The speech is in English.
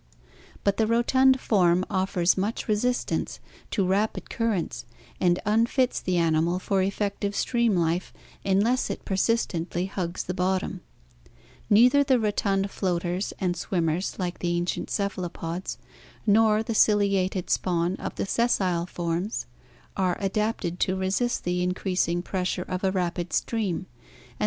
But the rotund form offers much resistance to rapid currents and unfits the animal for effective stream life unless it persistently hugs the bot tom. Neither the rotund floaters and swimmers like the ancient cephalopods, nor the ciliated spawn of the sessile forms are well 4^4 Ok "AVIC EY >im JX seer ^/ra»> nfa.,^ a«jftcn.